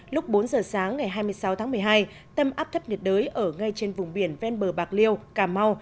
lúc bốn giờ sáng ngày hai mươi sáu tháng một mươi hai tâm áp thấp nhiệt đới ở ngay trên vùng biển ven bờ bạc liêu cà mau